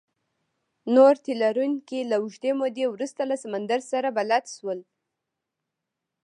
نور تي لرونکي له اوږدې مودې وروسته له سمندر سره بلد شول.